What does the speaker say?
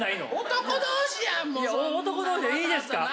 男同士でいいですから。